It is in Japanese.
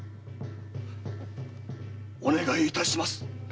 お願いいたします。